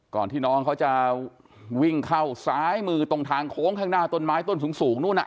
ก่อนที่น้องเขาจะวิ่งเข้าซ้ายมือตรงทางโค้งข้างหน้าต้นไม้ต้นสูงนู่น